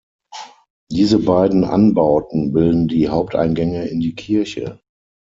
Diese beiden Anbauten bilden die Haupteingänge in die Kirche.